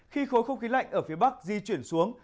khi khối không khí lạnh ở phía bắc di chuyển xuống